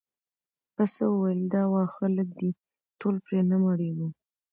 پسه وویل دا واښه لږ دي ټول پرې نه مړیږو.